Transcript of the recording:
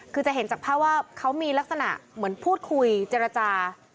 คือจะเห็นจากภาพว่าเขามีลักษณะเหมือนพูดคุยเจรจา